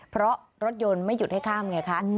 เพราะรถยนต์ไม่หยุดให้ข้ามไงคะ